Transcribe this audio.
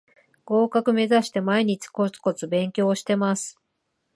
合格めざして毎日コツコツ勉強してます